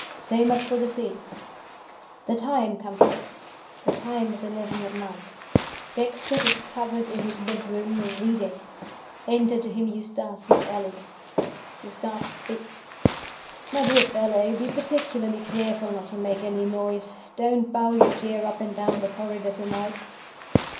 So much for the Scene! The time comes next the time is eleven at night. Dexter discovered in his bedroom, reading. Enter to him Eustace Macallan. Eustace speaks: 'My dear fellow, be particularly careful not to make any noise; don't bowl your chair up and down the corridor to night.